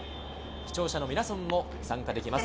視聴者の皆さんも参加できます。